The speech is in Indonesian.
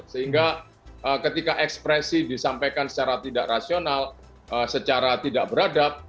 sehingga ketika ekspresi disampaikan secara tidak rasional secara tidak beradab